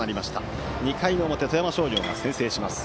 ２回の表、富山商業が先制します。